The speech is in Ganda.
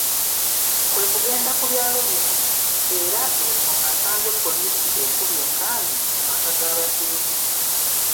Kwe kugenda ku byalo bino era eno asanze ppoliisi ekubye enkambi mu maka g’abatuuze